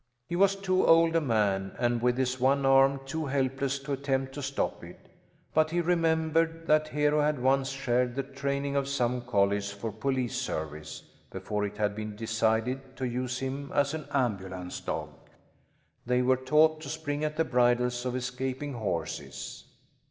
He was too old a man, and with his one arm too helpless to attempt to stop it, but he remembered that Hero had once shared the training of some collies for police service, before it had been decided to use him as an ambulance dog. They were taught to spring at the bridles of escaping horses.